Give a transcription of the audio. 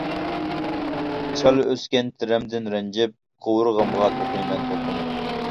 چالا ئۆسكەن تېرەمدىن رەنجىپ، قوۋۇرغامغا توقۇيمەن توقۇم.